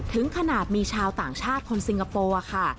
ถึงขนาดมีชาวต่างชาติคนสิงคโปร์ค่ะ